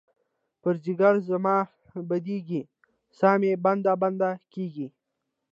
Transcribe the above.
پر ځیګــر زما بیدیږې، سا مې بنده، بنده کیږې